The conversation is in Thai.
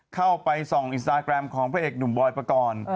เข้าไปส่องอินสตาแกรมของพระเอกหนุ่มบอยปกรณ์